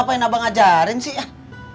apa yang abang ajarin sih ya